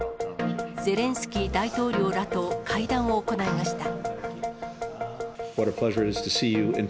ゼレンスキー大統領らと会談を行いました。